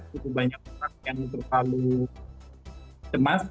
cukup banyak orang yang terlalu cemas